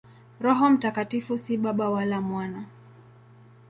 Roho Mtakatifu si Baba wala Mwana.